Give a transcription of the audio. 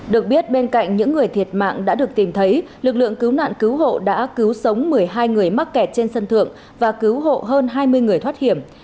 được biết bên cạnh những người thiệt mạng đã được tìm thấy lực lượng cứu nạn cứu hộ đã cứu sống một mươi hai người mắc kẹt trên sân thượng và cứu hộ hơn hai mươi người thoát hiểm